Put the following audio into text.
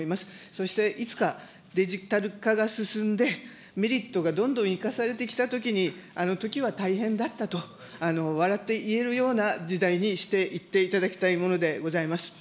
そして、いつか、デジタル化が進んで、メリットがどんどんいかされてきたときに、あのときは大変だったと、笑って言えるような時代にしていっていただきたいものでございます。